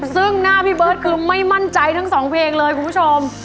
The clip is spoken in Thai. ซึ่งหน้าพี่เบิร์ตคือไม่มั่นใจทั้งสองเพลงเลยคุณผู้ชม